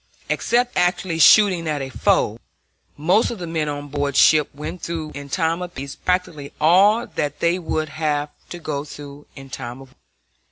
Except actually shooting at a foe, most of the men on board ship went through in time of peace practically all that they would have to go through in time of war.